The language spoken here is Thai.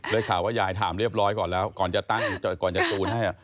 ได้ข่าวว่ายายถามเรียบร้อยก่อนแล้วก่อนจะตั้งก่อนจะตูนให้